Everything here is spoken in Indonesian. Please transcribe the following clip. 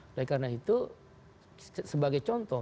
oleh karena itu sebagai contoh